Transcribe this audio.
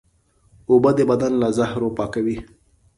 اوبه د بدن له زهرو پاکوي